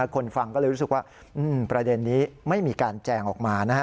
คนฟังก็เลยรู้สึกว่าประเด็นนี้ไม่มีการแจงออกมานะฮะ